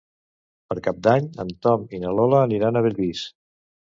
Per Cap d'Any en Tom i na Lola aniran a Bellvís.